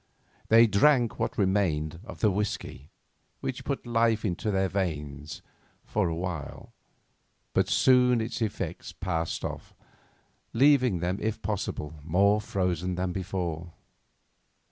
They drank what remained of the whiskey, which put life into their veins for a while, but soon its effects passed off, leaving them, if possible, more frozen than before.